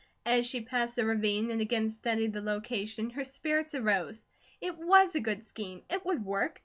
As she passed the ravine and again studied the location her spirits arose. It WAS a good scheme. It would work.